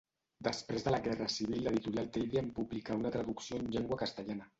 Després de la Guerra Civil l'editorial Teide en publicà una traducció en llengua castellana.